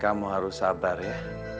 kamu harus sabar ya